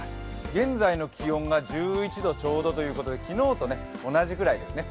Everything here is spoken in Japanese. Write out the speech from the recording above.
現在の気温が１１度ちょうどということで昨日と同じぐらいですね。